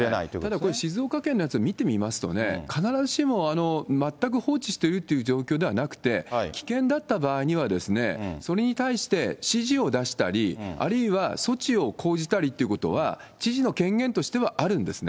これ、静岡県のやつを見てみますとね、必ずしも全く放置してるという状況ではなくて、危険だった場合には、それに対して指示を出したり、あるいは措置を講じたりっていうことは、知事の権限としてはあるんですね。